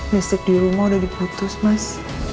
listrik di rumah udah diputus mas